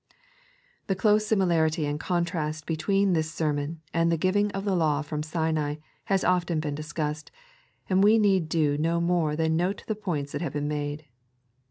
The close similarity and contrast between this s and the giving of the Law from Sinai, has often been dis cussed, and we need do no more than note the points that have been made.